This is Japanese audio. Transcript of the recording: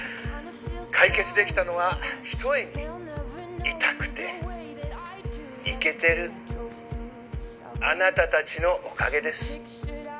解決できたのはひとえにイタくてイケてるあなたたちのおかげです。